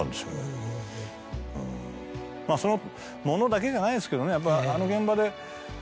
まぁその物だけじゃないですけどね。